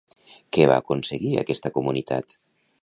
Què va aconseguir aquesta comunitat?